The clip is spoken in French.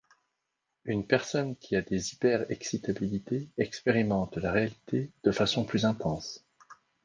Une personne qui a des hyper-excitabilités expérimente la réalité de façon plus intense.